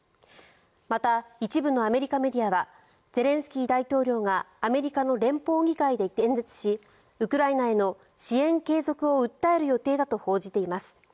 また、一部のアメリカメディアはゼレンスキー大統領がアメリカの連邦議会で演説しアメリカメディアはゼレンスキー大統領がウクライナへの支援継続を訴える予定だと報じています。